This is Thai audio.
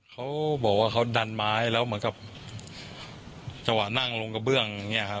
เขาบอกว่าเขาดันไม้แล้วเหมือนกับจังหวะนั่งลงกระเบื้องอย่างนี้ครับ